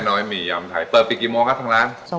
แม่น้อยมียำไทยเปิดปีกี่โมงครับทางร้าน